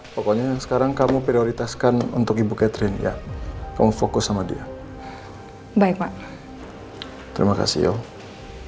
pokoknya sekarang kamu prioritaskan untuk ibu catherine ya kamu fokus sama dia baik mak terima kasih ya sama sama pak